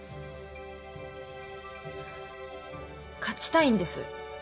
勝ちたいんです